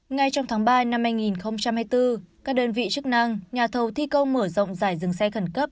ngay trong tháng ba năm hai nghìn hai mươi bốn các đơn vị chức năng nhà thầu thi công mở rộng giải dừng xe khẩn cấp